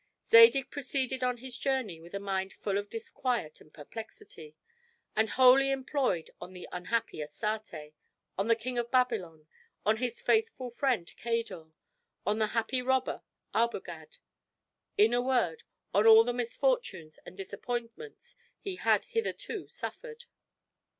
Zadig proceeded on his journey with a mind full of disquiet and perplexity, and wholly employed on the unhappy Astarte, on the King of Babylon, on his faithful friend Cador, on the happy robber Arbogad; in a word, on all the misfortunes and disappointments he had hitherto suffered.